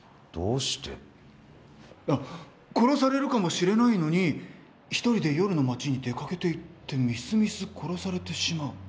殺されるかもしれないのに一人で夜の街に出掛けていってみすみす殺されてしまう。